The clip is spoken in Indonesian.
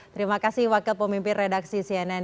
terima kasih wakil pemimpin redaksi cnn